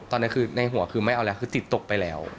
ตอนนั้นคือในหัวคือไม่เอาแล้วคือติดตกไปแล้ว